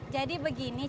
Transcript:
tadi ceritain sama emak